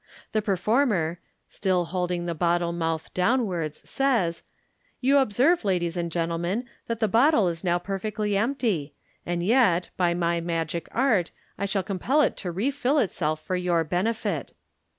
The performer, still holding the bottle mouth downwards, says, " You observe, ladies and gentlemen, that the bottle is now perfectly empty, and yet, by my magic art, I shall compel it to refill itself for your benefit."